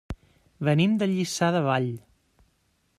Venim de Lliçà de Vall.